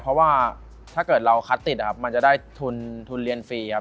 เพราะว่าถ้าเกิดเราคัดติดนะครับมันจะได้ทุนเรียนฟรีครับ